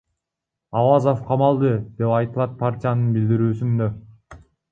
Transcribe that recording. Авазов камалды, — деп айтылат партиянын билдирүүсүндө.